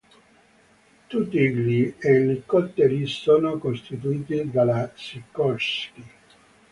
Tutti gli elicotteri sono costruiti dalla Sikorsky.